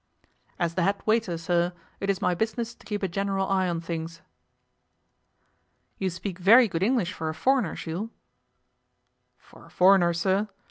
'As the head waiter, sir, it is my business to keep a general eye on things.' 'You speak very good English for a foreigner, Jules.' 'For a foreigner, sir!